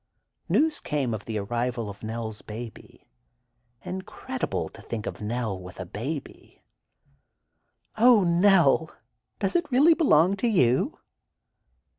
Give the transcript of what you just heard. News came of the arrival of Nell's baby. Incredible to think of Nell with a baby! "Oh, Nell, does it really belong to you?"